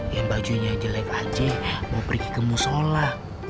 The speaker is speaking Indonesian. ya bajunya jelek aja mau pergi ke musola